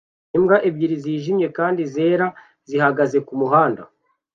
Imbwa ebyiri zijimye kandi zera zihagaze kumuhanda